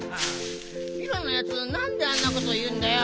ピロのやつなんであんなこというんだよ！